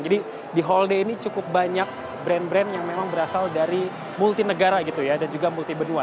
jadi di hall d ini cukup banyak brand brand yang memang berasal dari multi negara gitu ya dan juga multi benua